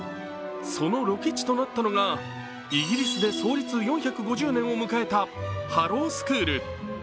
そのロケ地となったのが、イギリスで創立４５０年を迎えたハロウ・スクール。